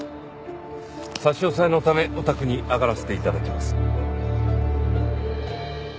差し押さえのためお宅に上がらせて頂きます。